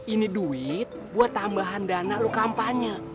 ini duit buat tambahan dana lo kampanye